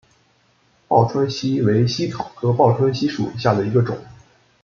报春茜为茜草科报春茜属下的一个种。